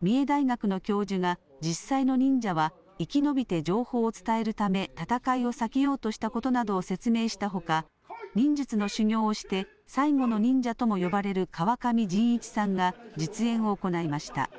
三重大学の教授が、実際の忍者は生き延びて情報を伝えるため戦いを避けようとしたことなどを説明したほか、忍術の修行をして最後の忍者とも呼ばれる川上仁一さんが、実演を行いました。